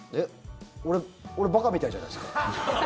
俺馬鹿みたいじゃないですか。